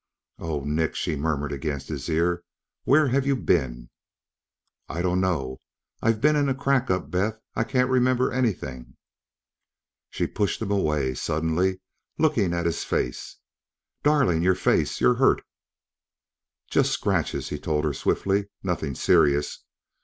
"Oh, Nick," she murmured against his ear. "Where have you been?" "I don't know. I've been in a crack up, Beth. I can't remember anything..." She pushed him away, suddenly, looking at his face. "Darling! Your face! You're hurt!" "Just scratches," he told her swiftly. "Nothing serious.